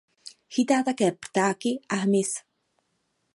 Chytá také ptáky a hmyz.